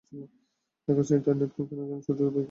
এখন sanitary napkin কেনার জন্য, ছোট ভাইকে বলতে হবে?